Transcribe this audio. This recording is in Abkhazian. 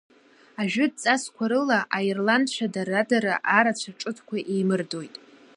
Ажәытә ҵасқәа рыла аирландцәа дара-дара арацәа ҽыҭқәа еимырдоит.